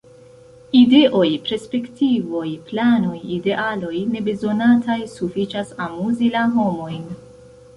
Ideoj, perspektivoj, planoj, idealoj – ne bezonataj; sufiĉas amuzi la homojn.